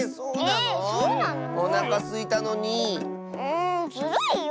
んずるいよ。